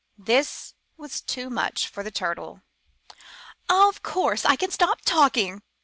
This was too much for the Turtle. "Of course I can stop talk ing!"